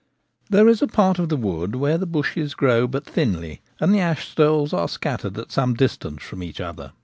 There is a part of the wood where the bushes grow but thinly and the ash stoles are scattered at some distance from each other.